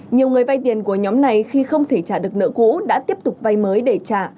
nhiều người vay tiền của nhóm này khi không thể trả được nợ cũ đã tiếp tục vay mới để trả